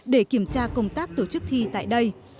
để kiểm tra công tác tổ chức thi tại đây